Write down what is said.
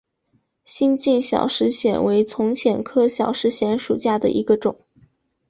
新进小石藓为丛藓科小石藓属下的一个种。